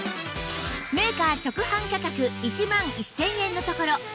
メーカー直販価格１万１０００円のところ